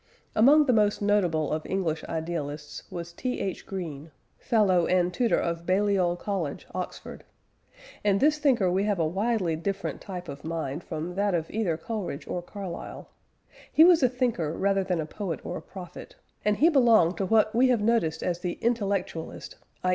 Among the most notable of English idealists was T. H. Green fellow and tutor of Balliol College, Oxford. In this thinker we have a widely different type of mind from that of either Coleridge or Carlyle. He was a thinker rather than a poet or a prophet, and he belonged to what we have noticed as the intellectualist i.